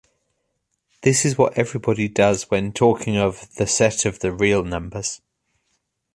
This is what everybody does when talking of "the" set of the real numbers".